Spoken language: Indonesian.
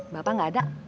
bapak enggak ada